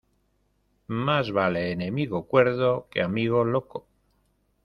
Más vale enemigo cuerdo que amigo loco.